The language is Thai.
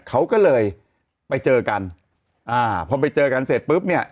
เขาก็เลยไปเจอกันอ่าพอไปเจอกันเสร็จปุ๊บเนี่ย